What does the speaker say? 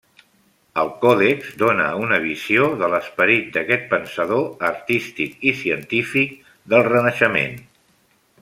El còdex dóna una visió de l'esperit d'aquest pensador, artístic i científic del Renaixement.